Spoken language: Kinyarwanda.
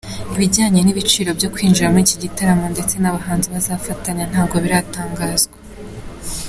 Ibijyanye n’ibiciro byo kwinjira muri iki gitaramo ndetse n'abahanzi bazafatanya ntabwo biratangazwa.